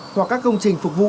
hoặc các công trình phục vụ